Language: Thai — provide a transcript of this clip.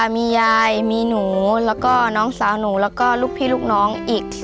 มียายมีหนูแล้วก็น้องสาวหนูแล้วก็ลูกพี่ลูกน้องอีก